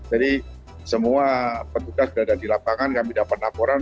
jadi semua penduduk yang berada di lapangan kami dapat laporan